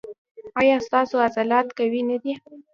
ایا ستاسو عضلات قوي نه دي؟